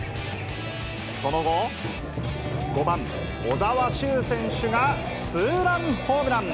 その後、５番小沢修選手がツーランホームラン。